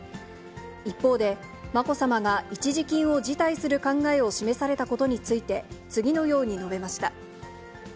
一方で、まこさまが一時金を辞退する考えを示されたことについて、次のように述べました。